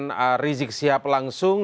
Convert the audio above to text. dengan rizik sihab langsung